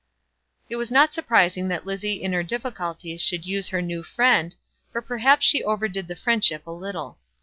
It was not surprising that Lizzie in her difficulties should use her new friend, but perhaps she over did the friendship a little.